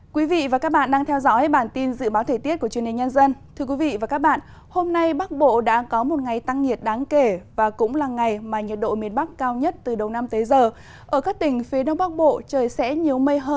các bạn hãy đăng ký kênh để ủng hộ kênh của chúng mình nhé